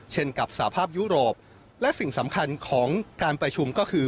กับสภาพยุโรปและสิ่งสำคัญของการประชุมก็คือ